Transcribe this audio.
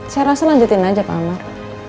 saya rasa lanjutin aja pak amar